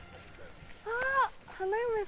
あ花嫁さん？